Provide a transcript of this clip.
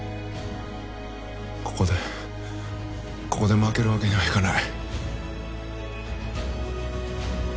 ここでここで負けるわけにはいかない。